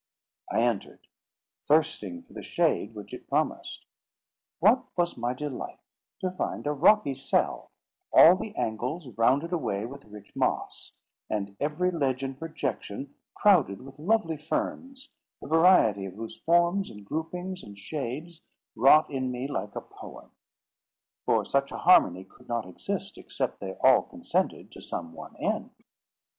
I entered, thirsting for the shade which it promised. What was my delight to find a rocky cell, all the angles rounded away with rich moss, and every ledge and projection crowded with lovely ferns, the variety of whose forms, and groupings, and shades wrought in me like a poem; for such a harmony could not exist, except they all consented to some one end!